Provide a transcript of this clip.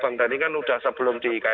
kol di bidang hiburan sih